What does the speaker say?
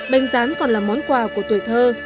bánh rán còn là món quà của tuổi thơ